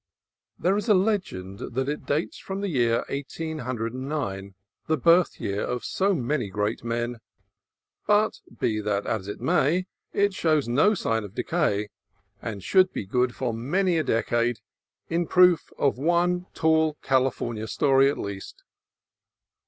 There is a legend that it dates from the year 1809, the birth year of so many great men; but be that as it may, it shows no sign of decay, and should be good for many a decade, in proof of one "tall California story," at least.